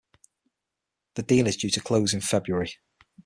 The deal is due to close in February.